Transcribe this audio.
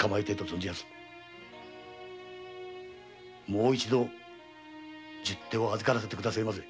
もう一度十手を預からせてくだせぇまし。